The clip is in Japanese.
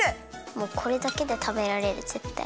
もうこれだけでたべられるぜったい。